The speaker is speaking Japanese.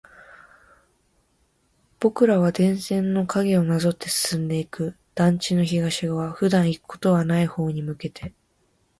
僕らは電線の影をなぞって進んでいく。団地の東側、普段行くことはない方に向けて。